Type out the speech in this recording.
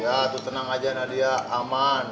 ya itu tenang aja nadia aman